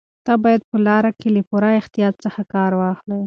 ته باید په لاره کې له پوره احتیاط څخه کار واخلې.